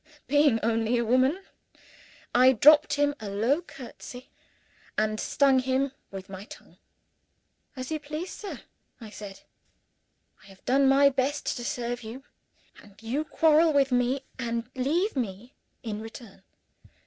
Being only a woman, I dropped him a low curtsey, and stung him with my tongue. "As you please, sir," I said. "I have done my best to serve you and you quarrel with me and leave me, in return.